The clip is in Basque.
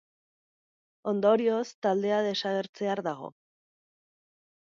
Ondorioz, taldea desagertzear dago.